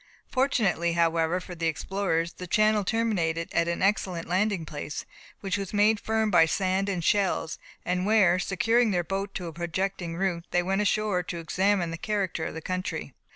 Fortunately, however, for the explorers, the channel terminated at an excellent landing place, which was made firm by sand and shells, and where, securing their boat to a projecting root, they went ashore to examine the character of the country.